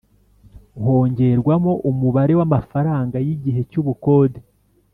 Hongerwamo umubare w’amafaranga y’igihe cy’ubukode